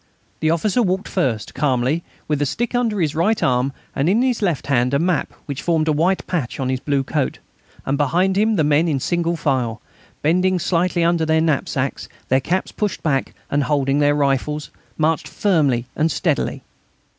The officer walked first, calmly, with a stick under his right arm, and in his left hand a map which formed a white patch on his blue coat, and behind him the men, in single file, bending slightly under their knapsacks, their caps pushed back and holding their rifles, marched firmly and steadily.